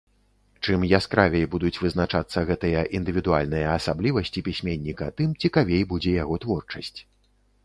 Чым яскравей будуць вызначацца гэтыя індывідуальныя асаблівасці пісьменніка, тым цікавей будзе яго творчасць.